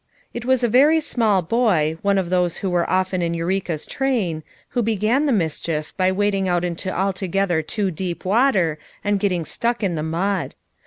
It was a very small boy, one of those who were often in Eureka's train, who began the mischief by wading out into altogether too deep water and getting stuck in the mud.